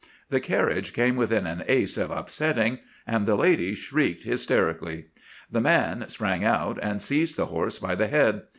The carriage came within an ace of upsetting, and the lady shrieked hysterically. The man sprang out, and seized the horse by the head.